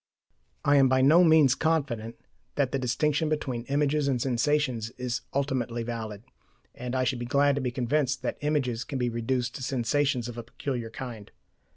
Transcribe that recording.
I am by no means confident that the distinction between images and sensations is ultimately valid, and I should be glad to be convinced that images can be reduced to sensations of a peculiar kind.